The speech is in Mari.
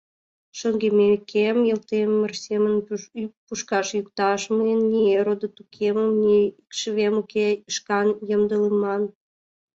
«Шоҥгеммекем, Элтемыр семын пукшаш-йӱкташ мыйын ни родо-тукымем, ни икшывем уке — шкан ямдылыман.